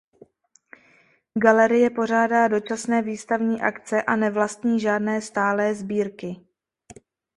Galerie pořádá dočasné výstavní akce a nevlastní žádné stálé sbírky.